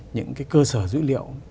những cái cơ sở dữ liệu